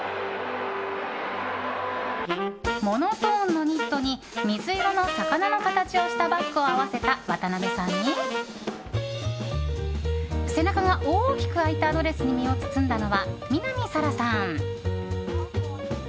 モノトーンのニットに水色の魚の形をしたバッグを合わせた渡辺さんに背中が大きく開いたドレスに身を包んだのは南沙良さん。